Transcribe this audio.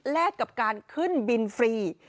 กับการขึ้นบินฟรี